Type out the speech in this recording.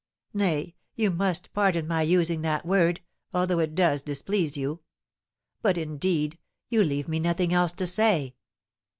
Nay, you must pardon my using that word, although it does displease you. But, indeed, you leave me nothing else to say."